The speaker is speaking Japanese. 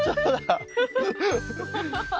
ハハハハ！